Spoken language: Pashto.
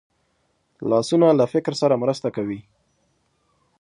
لاسونه له فکر سره مرسته کوي